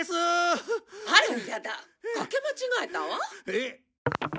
えっ。